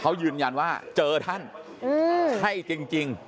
เขายืนยันว่าเจอท่านใช่จริง